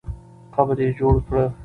قبر یې جوړ کړه.